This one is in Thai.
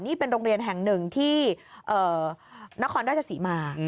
นี่เป็นโรงเรียนแห่งหนึ่งที่นครราชศรีมา